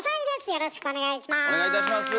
よろしくお願いします。